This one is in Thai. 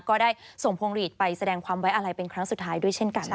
ก็ได้ส่งพวงหลีดไปแสดงความไว้อะไรเป็นครั้งสุดท้ายด้วยเช่นกันนะคะ